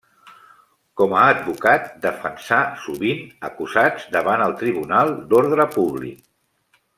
Com a advocat defensà sovint acusats davant el Tribunal d'Ordre Públic.